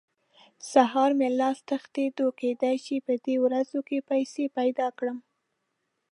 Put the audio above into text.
سهار مې لاس تخېدو؛ کېدای شي په دې ورځو کې پيسې پیدا کړم.